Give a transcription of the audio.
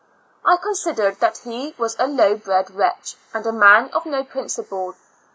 I considered that he was a low bred wretch, and a man of no principle.